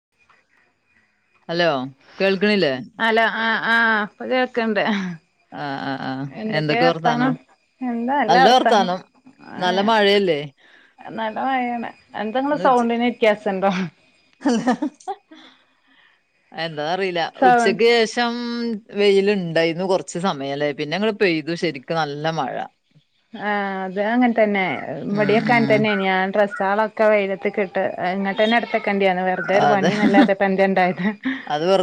[inaudible] Hello കേൾക്ക്ന്നില്ലേ hello ആഹ് ആഹ് ഇപ്പൊ കേക്ക്ണ്ട് ആഹ് ആഹ് ആഹ് എന്തൊക്കെ വർത്താനം എന്താ നല്ല വർത്താനം നല്ല ഏഹ് മഴയല്ലേ നല്ല മയാണി എന്തങ്ങളെ സൗണ്ടിന് വ്യത്യാസണ്ടോ എന്താ എന്താ അറിയില്ല സൗണ്ട് ഉച്ചക്ക് ശേഷം വെയിലുണ്ടായിരുന്നു കുറച്ച് സമയല്ലേ പിന്നെ ങ്ങട് പെയ്തു ശരിക്കും നല്ല മഴ ആഹ് അത് അങ്ങനെ തന്നെ ഉം ഇവടിയൊക്കെ അങ്ങൻ ഉം തന്നെയേനി ഞാൻ ഡ്രസ്സോളൊക്കെ വെയിലത്ത് ട്ട് ഇങ്ങട്ടെന്നെ അടുത്തക്കേണ്ടിയന്ന് വെറ്തെ ഒരു അതെ പണിന്നല്ലാതെപ്പ എന്തണ്ടായത്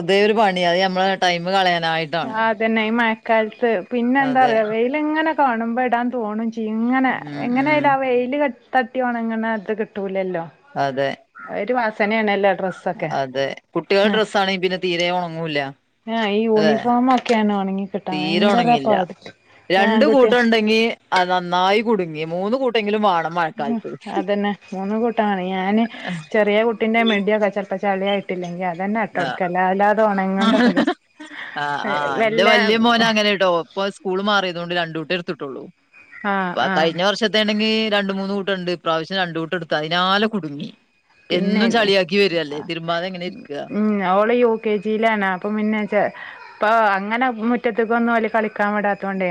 അതേ ഒരു പണി അത് നമ്മെ ടൈം കളയാനായിട്ട് ആഹ് അതന്നെ ഈ മഴക്കാലത്ത് പിന്നെ അതെ എന്താറയൊ വെയില് എങ്ങനെ കാണുമ്പോ ഇടാൻ തോണും ചെയ ഇങ്ങനെ ഉം ഉം എങ്ങനെയാലും ആ വെയില് ക തട്ടിയോണങ്ങനെ അത് കിട്ടൂലല്ലോ അതെ ഒരു വാസനയണല്ലോ അഡ്രസ്സ് അതെ കുട്ടികളെ ഡ്രസ്സ് ആണെങ്കിൽ പിന്നെ തീരെ ഒണങ്ങൂല്ല ആഹ് ഈ അതെ യൂണിഫോം ഒക്കെയാണ് ഒണങ്ങി തീരെ ഉണങ്ങില്ല രണ്ടു ആൺകുട്ടി കൂട്ടുണ്ടെങ്കി അഹ് നന്നായി കുടുങ്ങി മൂന്ന് കൂട്ടെങ്കിലും വേണം ഉം മഴക്കാലത്ത് അതന്നെ മൂന്ന് കൂട്ടം വാണെ ഞാന് ചെറിയ കുട്ടിന്റെ മിടി ഒക്കെ ചെൽപ്പൊ ചളിയായി ട്ട് ഇല്ലങ്കി അത് തന്നെ ഇട്ടോട്ക്കലാ എല്ലാതൊണങ്ങണ്ടെപ്പൊത് ആ് ആഹ് ഇന്റെ വല്യ മോനങ്ങനെ ഇടു ഇപ്പൊ സ്കൂള് മാറിയതോണ്ട് രണ്ടൂട്ടേ എടുത്തിട്ടുള്ളൂ ആഹ് ഇപ്പ ആഹ് കഴിഞ്ഞ വർഷ ത്തെണെങ്കി രണ്ട് മൂന്ന് കൂട്ടുണ്ട് ഇപ്രാവിശ്യം രണ്ട് കൂട്ടം എടുത്തു അതിനാലെ കുടുങ്ങി എന്നും പിന്നെല്ലേ ചളിയാക്കി വരല്ലേ ആഹ് തിരുമാതെ എങ്ങനെ ഇര്ക്ക ഉം ഓള് യു കെ ജിയിലാണ് അപ്പം പിന്നെ ചെ ഇപ്പൊ അങ്ങനെ മുറ്റത്തക്കൊന്നും ഓല് കളിക്കാൻ വിടാ ത്തോണ്ടേ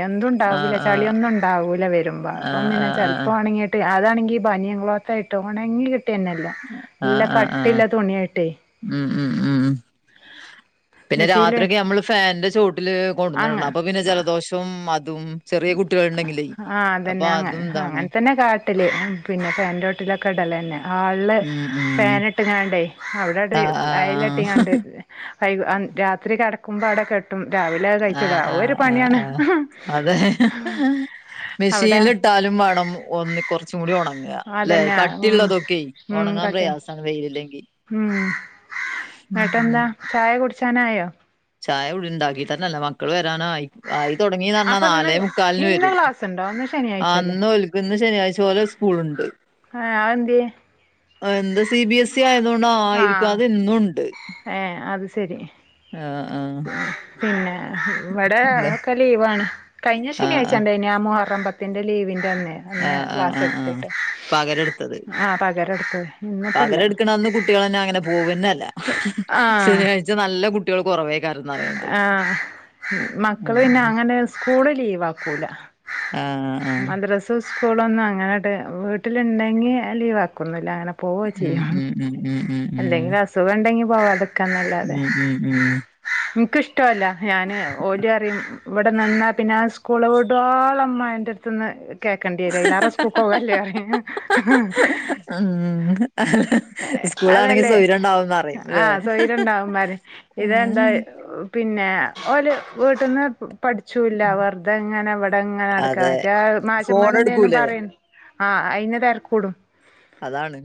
ആഹ് എന്തുണ്ടാവൂല ആഹ് ചളിയൊന്നും ഉണ്ടാവൂല വരുമ്പോ ആഹ് അപ്പം പിന്നെ ആഹ് ചെല് പ്പ ആഹ് വണെങ്കി ട്ട് അതാണെങ്കി ഈ ബനിയം ക്ലോത് ആയിട്ട് ഒണങ്ങി കിട്ടന്നെല്ല നല്ല ആഹ് ആഹ് ആഹ് കട്ടില്ല തുണിയായിട്ടേ ഉം ഉം ഉം പിന്നെ മെഷീല് രാത്രിയൊക്കെ നമ്മള് ഫാന്റെ ചോട്ടില് അങ്ങ കൊണ്ടുന്നിട്ടിടണം അപ്പൊ പിന്നെ ജലദോഷം അതും ചെറിയ കുട്ടികളുണ്ടെങ്കിലേ ആഹ്അതെന്നെ അപ്പൊ അങ്ങെ അതും ഇതാണ് അങ്ങനെ തന്നെ കാ ട്ടില് പിന്നെ ഫാൻ്റെ ചോട്ടിലെക്കെ ഇടല്ലേന്നെ ഹാൾളള് ഉം ഉം ഫാൻ ഇട്ട്ക്കാണ്ടെ അവിടെണ്ട് ആഹ് ആഹ് ആഹ് അയലെട്ടിക്കാണ്ട് എ രാത്രി കിടക്കുമ്പോ അവിടെ ട്ടും രാവിലെ അത് ആഹ് കഴിച്ചിടാ ആഹ് ഒരു ആഹ് പണിയാണ് ആഹ് അതെ അവിടെ മെഷീനിലിട്ടാലും വാണം ഒന്ന് കുറച്ചും കൂടി ഒണങ്ങ അല്ലെ അതന്നെ ഉം കട്ടിയുള്ളള്ളതൊക്കെ ഉം ഒണങ്ങാൻ കട്ട് പ്രയാസാണ് വെയിലില്ലെങ്കി ഉം ന്നട്ടെന്താ ചായ കുടിച്ചാനായോ ചായ ഇവിടി ഇണ്ടാക്കിട്ടന്നെല്ല മക്കള് വരാനായി ആയി തുടങ്ങിന്ന് പറഞ്ഞാ അപ്പൊ ഇന്ന് നാലേ മുക്കാലിന് ഇന്ന് വരും ക്ലാസ്സുണ്ടോ ഇന്ന് ആ ശനിയാഴ്ചല്ലേ ഇന്ന് ഓല് ഇന്ന് ശനിയാഴ്ച്ച ഓലെ സ്കൂൾ ണ്ട് ഏഹ് അഹ് ന്തേ ആഹ് എന്തെ സി ബി എസ് ഇ ആയതോ ണ്ട് ആയിരിക്കും അത് എന്നുണ്ട്. ഏഹ് അത് ശരി. ആഹ് ആഹ്. പിന്നെ ഇവിടെ ഒക്കെ ലീവാണ് കഴിഞ്ഞ ആഹ് ആഹ് ശനിയാഴ്ച്ച ഇണ്ടായേ നി ആ മുഹറം പത്ത്. ത്തിന്റെ ലീവിന്റെ അന്നെ അന്ന് ആഹ് ആഹ് ക്ലാസ് ആഹ് ആഹ് എടുത്തിട്ട്, പകരെടുത്തത് ആ പകരം എടുത്തത് ഇന്നിപ്പല്ല പകരെടുക്കണന്ന് കുട്ടികളന്നെ അങ്ങനെ പോവന്നല്ല. ആഹ്. ഇജ്ജ് നല്ല കു കുട്ട്യോൾ കുറവെയ്ക്കാരം ന്ന ആഹ് മക്കള് പിന്നെ ഉം അങ്ങനെ സ് സ്കൂള് ലീവ് ആക്കൂല ആഹ് ആഹ് മദ്രസ് സ്കൂളൊന്നും അങ്ങനട്ട് വീട്ടിലിണ്ടെങ്കി ലീവാക്കൊന്നുല്ല അങ്ങനെ പോവൊ ഉം ചെയ്യും. ഉം ഉം ഉം ഉം. സുഖംണ്ടെങ്കി പോവാതെക്കാന്നല്ലാതെ. ഉം ഉം ഉം ഉം എനിക്കിഷ്ടല്ല ഞാന് ഓല് അറിം ഇവിടെ നിന്നാ പിന്നെ ആ സ്കൂള് വിടുവൊളം മ്മാന്റെ ത്ത് ന്ന് കേക്കണ്ടിരു ആയിലേറെ സ്കൂക്കോവല്ലേ അറി. സ്കൂളാണെങ്കി സൗര്യംണ്ടാവും ന്ന റിം ല്ലേ അഹ് പിന്നെ ഓല് വീട്ട്ന്ന് പഠിച്ചൂല്ല വെറുതെ ങ്ങനെ ഇവിടെ ഇങ്ങനെ നടക്കാ അതെ മറ്റേ ഫോൺ മാഷമ്മാര് എന്തേലും എടുക്കൂലേ പറിം ആഹ് അയിന് തെര്ക്കൂടും. അതാണ്.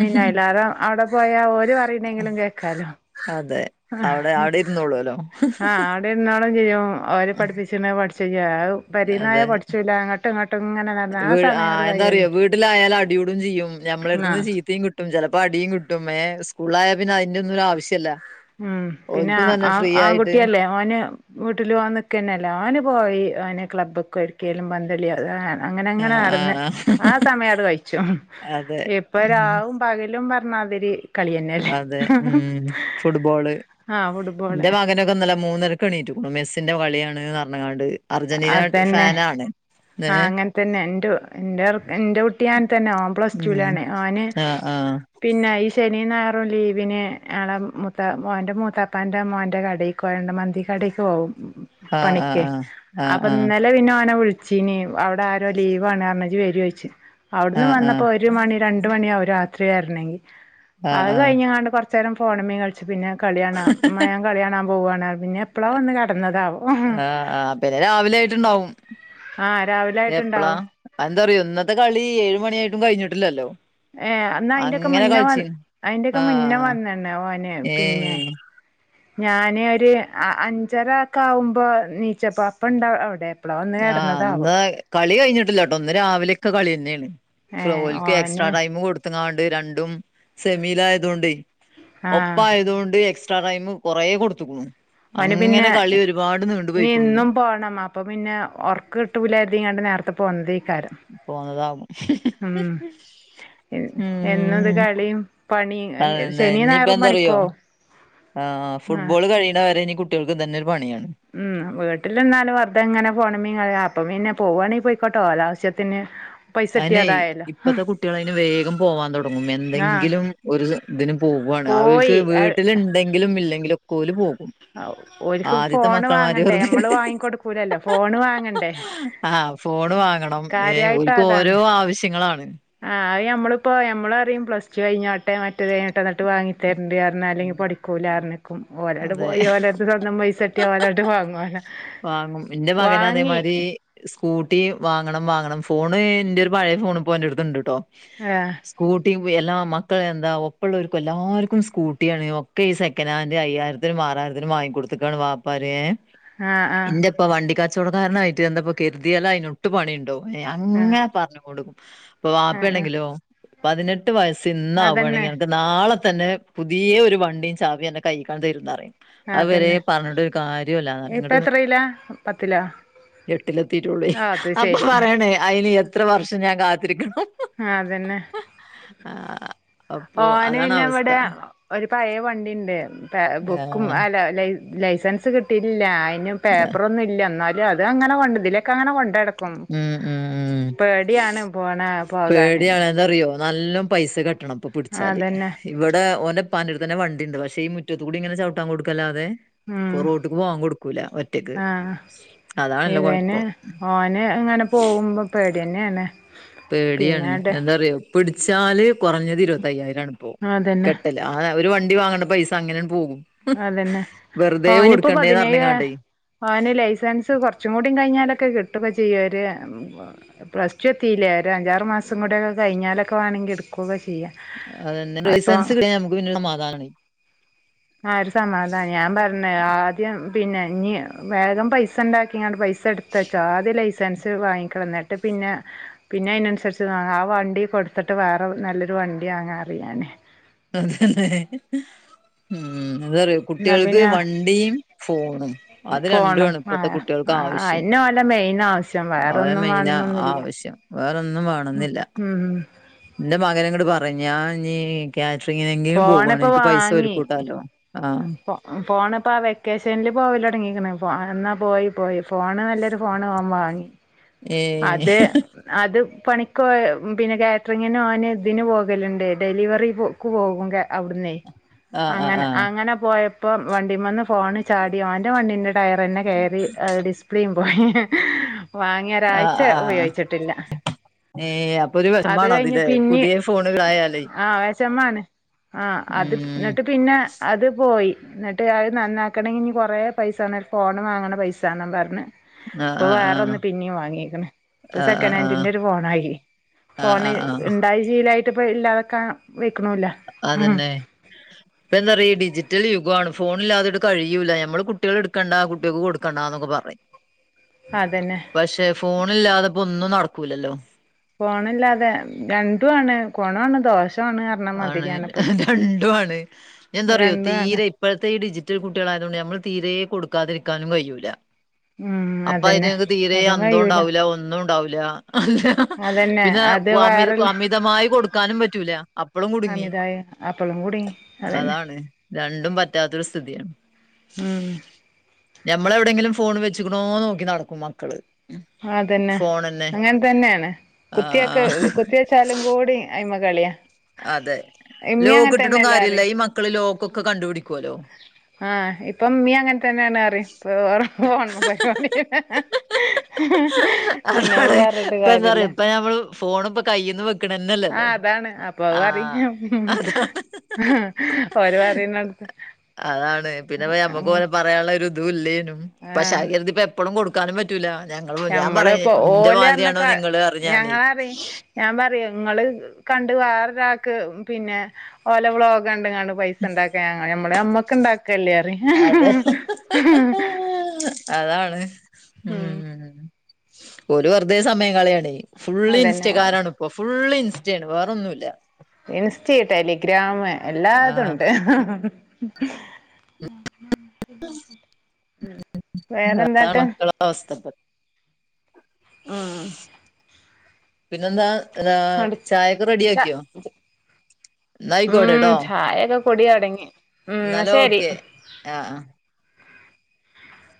പിന്നെ അയിലാറെ അവിടെ പോയാ ഓര് പറയുന്നെങ്കിലും കേക്കാലോ അതെ അവിടെ അവിടെ ഇരുന്നോളൊല്ലോ ആഹ് അവിടെ ഇരുന്നോളും ചെയ്യും അവര് പഠിപ്പിച്ചിന് പഠിച്ചയ്യ അഹ് പെരീന്നായ പഠിച്ച് ലാ ങ്ങ ട്ട് ങ്ങട്ട് ഇങ്ങനെ നടന്ന് ആ വ് സമയങ്ങട്ട് ആഹ് എന്താറിയോ കയ്യും വീട്ടിലായാല് അടിയൂടും ചെയ്യും ഞമ്മളടുത്ത്ന്ന് ആഹ് ചീത്തയും കി കിട്ടും ചെലപ്പോ അടിയും കിട്ടും ഏ സ്കൂളായ പിന്നെ അയിന്റൊന്നു ഒരു ആവിശ്യല്ല. ഉം പിന്നെ ആ ആൺകുട്ടിയല്ലേ ഓന് വീട്ടില് ഓൻ നിക്കന്നെല്ല ഓന് പോയി ഓന് ക്ലബ്ബ് ക്കെ ഒര്ക്കേലും പന്തളി ഏ അങ്ങനെങ്ങനെ ആഹ് നടന്ന് ആഹ് ആ സമയത് കഴിച്ചും അതെ ഉം ഇപ്പരാവും. പകലും പർഞ്ഞാതിരി കളിയന്നെല്ലേ? അതെ ഉം ഫുട്ബോള് ആഹ് ഫുട്ബോള് എന്റെ മകനൊക്കെ ഇന്നലെ മൂന്നരക്ക് എണീറ്റ്ക്കുണു മെസ്സിന്റെ കളിയാണ് പർഞ്ക്കാണ്ട്. അർജന്റീന ഫാനാണ്. ഏഹ് ആഹ് അങ്ങൻതന്നെ എൻ്റെ എൻ്റെർക് എൻ്റെ കുട്ടി അങ്ങൻതന്നെ ഓൻ പ്ലസ് ഉം ടുലാണ് ഓന് ആഹ് ആഹ്. പിന്നെ ഈ ശനിയും ഞായറും ലീവിന് ആളെ മൂത്ത മോന്റെ മൂത്താപ്പാന്റെ മോന്റെ കടയി മന്തി കടയ്ക്ക് പോഉം പണിക്ക് ആഹ് ആഹ് അപ്പൊ ഇന്നേ ആഹ് ന്നലെ പിന്നെ ഓനെ വിള്ച്ചീന് അവിടെ ആരോ ലീവാണ് ഇജ്ജ് വരുഒ ചോയ്ച്ച് അവിട്ന്ന് ആഹ് വന്നപ്പോ ആഹ് ഒ ഒരു മണി രണ്ട് മണിയാവും രാത്രി വെര്നെങ്കി ആഹ് അത് ആഹ് ആഹ് കഴിഞ്ഞാണ്ട് കൊറച്ചേരം ഫോൺമ്മെ കൾ വച്ച് പിന്നെ കളിയാണാ മയ കളിയാണാൻ പോവാണ് പിന്നെ എപ്പോളോ വന്ന് കടന്നതാവും. ആഹ് ആ പിന്നെ രാവിലെ ആയിട്ടുണ്ടാവും ആ രാവിലെ എപ്പളാ? ആയിട്ടുണ്ടാവും എന്താ അറിയോ ഇന്നത്തെ കളി ഏഴ് മണിയായിട്ടും കഴിഞ്ഞിട്ടില്ലല്ലോ? ഏഹ് എന്ന അയിന്റൊക്കെ അങ്ങനെ മുന്നേ വന്ന് കളിച്ചീന് അയിന്റൊക്കെ മുന്നേ ആഹ് വന്നണ് ഓന് പിന്നെ ഏഹ് ഞാന് ഒരു അ അഞ്ചര ഒക്കെ ആവുമ്പോ നീച്ചപ്പ അപ്പൊണ്ടാ ആ അവിടെ എപ്പളാ വന്ന് ആഹ് കിടന്നതാവോ അന്ന കളി കഴിഞ്ഞിട്ടില്ലട്ടോ ഇന്ന് രാവിലെക്കെ കളിയന്നെയാണ്. ഏ ഫ്ലോൽക്ക് എക്സ്ട്രാ ഓന് ടൈം കൊടു ക്കാണ്ട് രണ്ടും സെമിലായതൊണ്ട് ആ ഒപ്പയതൊണ്ട് എക്സ് ട്രടൈമ് കൊറേ കൊടുത്തക്കണു. ഓന് പിന്നെ നീ പോയിക്കുണു ഇന്ന് ഇന്നും പോണം മാ അപ്പംപിന്നെ ഒർക്ക് കിട്ടില്ലായിരുതങ്ങാണ്ട് നേരത്തെ പോന്നതായികരം. പോന്നതാവും. എന്നത് കളിയും പണിം അതന്നെ ശനിയ ഇനിയിപ്പ ഞായറും എന്താറിയോ പണിക്കോവും ആഹ് അ ആ ഫുട്ബോൾ കഴിയണ വരെ ഇനി കുട്ടികൾക്ക് തന്നെരു പണിയാണ്. ഉം വീട്ടിൽനിന്നാലും വറുതെ ഇങ്ങനെ ഫോൺമ്മെ ക അപ്പൊ പിന്നെ പോവുവാണെങ്കി പോയിക്കോട്ട ഓലാവശ്യത്തിന്. അയിനെ ഇപ്പത്തെ കുട്ടികൾ അതിന് വേഗം പോവാൻ തുടങ്ങും ആഹ് എന്തെങ്കിലും ഒരു ഇതിനന് പോവുവയാണ് അവൾക്ക് പോയി വീട്ടില ഉണ്ടെങ്കിലും ഇല്ലെങ്കിലും ഒക്കെ പോലല് പോവും ഓല്ക്ക് ഫോണ് വാങ്ങണ്ടേ വെറുതെ നമ്മൾ വാങ്ങിക്കൊടുക്കലല്ലോ ഫോണ് വാങ്ങണ്ടേ ആഹ് ഫോണ് വാങ്ങണം ഏ ഒൽ കാര്യായിട്ട് ക്ക് അതാണ് ഓരോ ആവശ്യങ്ങളാണ്. ആഹ് ഞമ്മള്പ്പോ ഞമ്മളറിയ പ്ലസ്ടു കഴിഞ്ഞോട്ടെ മറ്റേത് കിഞ്ഞോട്ട എന്നിട്ട് വാങ്ങി തരണ്ട് അറി - ന്നാല് ഉം, പഠിക്കൂല അറിനക്കും ഒലാട് അതെ പോയി ഓലരരുട് സ്വന്തം പൈസട്ടിയാ ഓലങ്ങാട്ട് വാങ്ങുല്ലോ. എന്റെ മകന അതേമാരി സ്കൂട്ടി വാങ്ങണം വാങ്ങണം ഫോണ് എന്റെ ഒരു പഴയ ഫോൺ പോ എന്റെറ ഓന്റടുത്ത്ണ്ട്ട്ടോ. ആഹ്. സ്കൂട്ടി എല്ലാ മക്കളെ എന്താ ഒപ്പുള്ളവർക്കും എല്ലാവർക്കും സ്കൂട്ടിയാണ് ഒക്കെ ഈ സെ- കാനന്റ് അയ്യായിരത്തിനും ആറായിരത്തിനും വാങ്ങിക്ക കൊടുത്തക്കാണ് വാപ്പാര് ആഹ് ആഹ് ഇപ്പൊ വണ്ടിക്കാച്ചോട കാരണമായിട്ട് എന്തപ്പോ കരുതിയാല അതിനൊട്ട് പണിയുണ്ടോ? ആഹ് അങ്ങെ പറഞ്ഞഞ് കൊണ്ട്ക്കും ഇപ്പൊ വാപ്പ ആഹ് ആഹ് ണ്ടങ്കിലോ പതിനെട്ട് എട്ടു വയസ്സ് അതന്നെ ഇന്നാവുകവാണെിൽഞനക്ക് നാളെ തന്നെ പുതിയ ഒരു വണ്ടിയും ചാവി അന്റെ കഴിക്കാന് തരു ന്നറയും.. അവരെ പറഞ്ഞിട്ടരു കാര്യല്ലാറയുംങ്ങിട്ട് റില പത്തിലോ? എട്ടിലെത്തിട്ടുള്ളൂ ആ അത് അപ്പൊ ശരി പറയണേ അയിന് എത്ര വർഷം ഞാൻ കാത്തിരിക്കണം. അതന്നെ ആഹ്. ഓന് പിന്നെവിടെ ഒരു പഴയ വണ്ടിണ്ട് ആ, ബുക്കും അ ലൈസൻസ് കിട്ടിയില്ല അയിനും. പേപ്പറൊന്നും ല്ല ന്നാലും അത് അങ്ങനെ കൊണ്ട് ഇതിലേക്കെ അങ്ങനെ കൊണ്ടടക്ക് ഉം ഉം ഉം പോണ പോകാന് പേടിയണന്തറിയോ? നല്ലൊം പൈസ കട്ടണംപ്പൊ പിടിച്ചാല്. അതന്നെ ഇവിടെ ഓന്റെ പണ്ടട്തന്നെ വണ്ടിണ്ട് പക്ഷേ ഈ മുറ്റത്തൂടി ഇങ്ങെ ചവിട്ടാൻ കൊടുക്കല്ലാതെ ഉം ഇപ്പൊ റോട്ടിക്ക് ബാഗ് കൊടുക്കൂല ഒറ്റക്ക് ആ അതാണല്ല ഇവന് കൊഴപ്പം ഓന് ഇങ്ങനെ പോവുമ്പോ പേടിയന്നെയാണ് പേടിയാണ് പിന്നാട് എന്താറിയോ പിടിച്ചാല് കൊറഞ്ഞത് ഇരുപത്തയ്യായിരം ആണ് ഇപ്പൊ അതന്നെ കെട്ടൽ ആ അവര് വണ്ടി വാങ്ങണ്ട പൈസ അങ്ങനങ്ങു പോകും അതന്നെ വെറുതെ ഓനിപ്പ കൊടുക്കണ്ടേന്ന് പതിനേഴാ പറഞ്ഞ്ങ്ങാണ്ടേ ഓന് ലൈസൻസ് കൊറച്ചും കൂടി കഴിഞ്ഞാലൊക്കെ കിട്ടുക്ക ചെയ്യവര് പ്ലസ് ടു എത്തില്ലേ ഒരു അഞ്ചാറ് മാസം കുടക്ക കഴിഞ്ഞാലക്ക വാണെങ്കി എടുക്കൂക്കെ ചെയ്യാം അതന്നെ അപ്പൊ ലൈസൻസ് കിട്ടിയ നമുക്ക് പിന്ന സമാതാനൊണ്ട് ആ ഒരു സമാതാനാ ഞാൻ പറഞ്ഞ് ആദ്യം പിന്നെ ഇനി വേഗം പൈസിണ്ടാക്കിങ്ങാണ്ട് പൈസ എടുത്ത് ത്ത ച്ചാദ്യ ലൈസൻസ് വാങ്ങിക്കണം എന്നിട്ട് പിന്ന പിന്നെ അയിനനുസരിച്ച് ആ വണ്ടി കൊടുത്തിട്ട് വേറെ നല്ലൊരു വണ്ടി വാങ്ങന്നറിയും ഞാന് അതന്നെ ഉം അത്പറയും എന്നാ കുട്ടിയൾക്ക് പിന്നെ വണ്ടിയും ഫോണും അത് രണ്ടു ഫോണും ആണ് ആ ഇപ്പഴ്ത്തെ കുട്ടിയൾക്ക് ആ ആവിശ്യം അയന്നെ ഓലെ മെയിൻ ആവശ്യം ഓലെ വേറൊന്നും മെയിനാ വേണന്നൊന്നുല്ല ആവിശ്യം വേറൊന്നും വേണംന്നില്ല ഉം ന്റെ മകനങ്ങട് പറഞ്ഞാ ഇനീ കാറ്ററിങ്ങിനെങ്കിലും പോവാണ് ഫോണിപ്പോ എനിക്ക് പൈസൊരുക്കൂട്ടാലോ ആഹ് പോണിപ്പാ ആ വെക്കേഷൻല് പോവലൊടങ്ങീക്ക്ണ് ഇപ്പോ എന്നാ പോയി പോയി ഫോണ് നല്ലൊരു ഫോണ് ഓൻ വാങ്ങി ഏഹ് അത് അത് പണിക്കോ പിന്നെ കാറ്ററിങ്ങിനും അവന് ഇതിന് പോകലൊണ്ട് ഡെലിവെറി ക്ക് പോകും കാ അവിടുന്ന് ആഹ് ആഹ് അങ്ങന ആഹ് അങ്ങന പോയപ്പം വണ്ടി മേന്ന് ഫോണ് ചാടി ഓന്റെ വണ്ടീന്റെ ടയറന്നെ കേറി ഡിസ് പ്ലെം പോയി വാങ്ങിയ ഒരാഴ്ച ആഹ് ആഹ് ഉപയോയിച്ചട്ടില്ല ഏഹ് അപ്പൊ ഒരു അത് കഴിഞ്ഞു വെഷമാണതില്ലേ പിന്നെ പുതിയ ഫോണ് ആയാലേ ആ വെശമ്മാണ് ആഹ് അത് ഉം എന്നിട്ട് പിന്നെ അത് പോയി എന്നിട്ട് അത് നന്നാക്കണേങ്കി ഇനി കൊറേ പൈസേണം ഒരു ഫോൺ വാങ്ങണ പൈസാന്നും പർഞ്ഞ് ആഹ് ഇപ്പൊ ആഹ് വേറ ആഹ് ഒന്ന് പിന്നേം വാങ്ങീക്കണ് ഇപ്പൊ ആഹ് ആഹ് ആഹ് സെക്കനാഡിന്റെ ഒരു ഫോണായി ആഹ് ഫോണ് ആഹ് ആഹ് ഇണ്ടായി ചീലായിട്ട് ഇപ്പ ഇല്ലാതെക്ക അതന്നെ ഇപ്പ എന്താറിയോ ഇ ഡിജിറ്റൽ യുഗാണ് ഫോണില്ലാതെട്ട് കഴിയൂല്ല നമ്മള് കുട്ടിയള് എടുക്കണ്ട കുട്ടികക്ക് കൊടുക്കണ്ടാന്നൊക്കെ പറയും അതന്നെ പക്ഷെ ഫോണില്ലാതെപ്പൊ ഒന്നും നടക്കൂലല്ലോ ഫോണില്ലാതെ രണ്ടു ആണ് കൊണാണ് ദോഷ് ആണ് ഹ് ഹ് രണ്ടു ആണ് എന്താറിയോ രണ്ടും ആണ് തീരെ ഇപ്പോഴ്ത്തെ ഈ ഡിജിറ്റൽ കുട്ടികളായതോണ്ട് നമ്മൾ തീരേ കൊടുക്കാതിരിക്കാനും കഴിയൂല ഉം അപ്പൊ അതന്നെ അയിനാത്ത് തീരെ അതും അന്തോ കഴിയൂല ഉണ്ടാവൂല ഒന്നുണ്ടാവൂല അല്ലാ അതന്നെ പിന്ന അത് വാമേത് വേറെല്ല കാമിതമായി കൊടുക്കാനും പറ്റൂല അപ്പളും കുടുങ്ങി അമിതായ ആപ്പിളും കൂടി അതന്നെ അതാണ് രണ്ടും പറ്റാത്തൊരു സ്ഥിതിയ ഉം ഞമ്മളെവിടെങ്കിലും ഫോൺ വെച്ചിക്ക്ണോ നോക്കി നടക്കും മക്കള് അതന്നെ ഫോണന്നെ അങ്ങന തന്നെയാണ് ആ കുത്തിയൊക്ക കൊത്തി വെച്ചാലും കൂടി അയിമ്മ കളിയ അതെ ലോക്കിട്ടിട്ടും കാര്യല്ല പറയും ഈ മക്കള് ലോക്കൊക്കെ കണ്ടുപിടിക്കൂല്ലോ ആ ഇപ്പം മിയ അങ്ങനതന്നെ ആന്ന് പറയും മിക്കവാറും ഹ് ഹ് ഹ [unintelligible] ഹ് അതേടെ ഇപ്പം എന്ത് പറയും ഇപ്പ ഞമ്മള് ഫോണിപ്പ കയ്യീന്ന് വെക്ക് ക്കണന്നല്ലല്ലോ ആഹ് അതാണ് അപ്പൊ അത് പറയും ആഹ് അതാണ് ഓര് പറയുന്നോട്ത്ത് അതാണ് പിന്നിപ്പ ഞമ്മക്കോലെ പർ പറയാള്ളൊരു ഇതൂല്ലാര്ന്നു പക്ഷേ ആഹ് എന്തിപ്പേ എപ്പഴും കൊടുക്കാനും പറ്റൂല ഞങ്ങൾ ഞമ്മളിപ്പോ ഓലറിഞ്ഞക്ക പറയും ഞാനേ ഞങ്ങളറി ഞാൻ പറയും നിങ്ങള് കണ്ട് വേറൊരാക്ക് പിന്നെ ഓല ബ്ലോ കണ്ടും ക പൈസ ഇണ്ടാക്ക ഞ ഞമ്മടെ അമ്മക്ക് ഇണ്ടാക്കല്ലറി അതെ അതാണ് ഉം ഒരു വെറുതെ സമയം കളിയണ് ഫുള് അതന്നെ ഇൻസ്റ്റകാരാണ് ഇപ്പ ഫുള്ള് ഇൻസ്റ്റയാണ് വേറൊന്നുമില്ല ഇൻസ്റ്റ ആഹ് ടെലിഗ്രാഎല്ലാതുണ്ട് [unintelligible] ഉം അതാണ് വേറെന്താട്ട് മക്കളെ അവസ്ഥ ഇപ്പൊ ഉം ഉം പിന്നെന്താ ചായയൊക്കെ റെഡിയ ച ആക്കിയോ എന്നയിക്കോട്ടെട്ടോ പൊടി അടങ്ങി ഇന്നാൾ ഓക്കെ ആഹ് ആഹ്